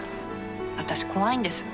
私怖いんです。